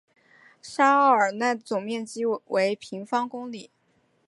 沙沃尔奈的总面积为平方公里。